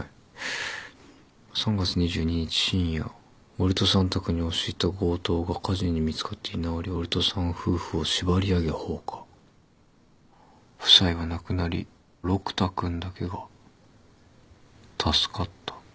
「３月２２日深夜」「下戸さん宅に押し入った強盗が家人に見つかって居直り下戸さん夫婦を縛り上げ放火」「夫妻は亡くなり陸太くんだけが助かった」